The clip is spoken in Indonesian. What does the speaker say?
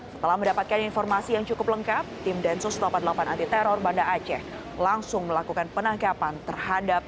setelah mendapatkan informasi yang cukup lengkap tim densus delapan puluh delapan anti teror banda aceh langsung melakukan penangkapan terhadap